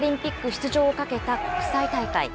出場をかけた国際大会。